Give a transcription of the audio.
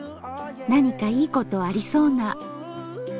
何かいいことありそうな。